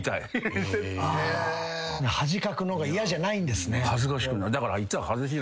恥かくのが嫌じゃないんですね。